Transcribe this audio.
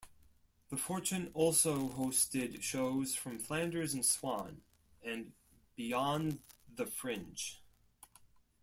The Fortune also hosted shows from Flanders and Swann and Beyond the Fringe.